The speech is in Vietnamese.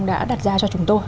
đã đặt ra cho chúng tôi